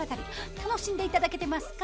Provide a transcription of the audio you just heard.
楽しんで頂けてますか？